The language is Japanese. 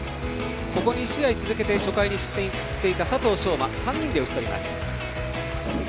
ここ２試合続けて初回に失点をしていた佐藤奨真ですが３人で打ち取ります。